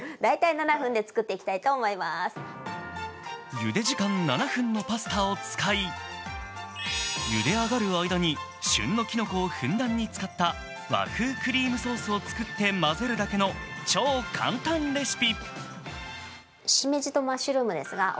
ゆで時間７分のパスタを使い、ゆで上がる間に旬のきのこをふんだんに使った和風クリームソースを作って混ぜるだけの超簡単レシピ。